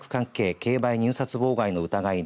競売入札妨害の疑いで